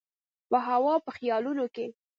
په هوا او په خیالونو کي